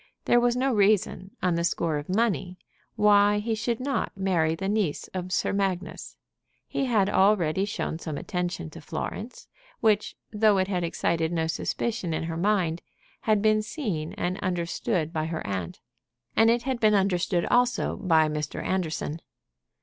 There was no reason, on the score of money, why he should not marry the niece of Sir Magnus. He had already shown some attention to Florence, which, though it had excited no suspicion in her mind, had been seen and understood by her aunt; and it had been understood also by Mr. Anderson.